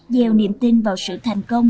dèo niềm tin vào sự thành công